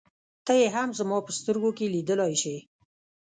ته يې هم زما په سترګو کې لیدلای شې.